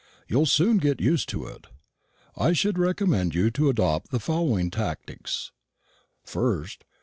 You'll soon get used to it. "I should recommend you to adopt the following tactics: "1st.